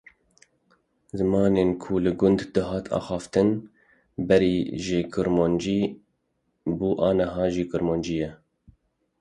Zimanên ku li gund dihat axaftin berê jî Kurmancî bû aniha jî Kurmancî ye.